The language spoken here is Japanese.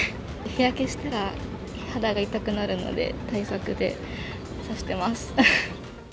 日焼けしたら肌が痛くなるので、対策で差してます。